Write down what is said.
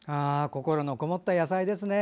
心のこもった野菜ですね。